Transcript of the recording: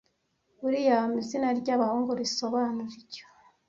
William izina ryabahungu risobanura icyo